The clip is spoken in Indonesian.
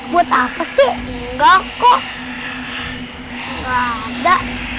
buat apa sih enggak kok nggak ada